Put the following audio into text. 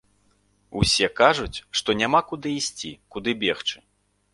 Усе кажуць, што нам няма куды ісці, куды бегчы.